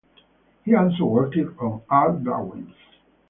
He also worked on art-drawings.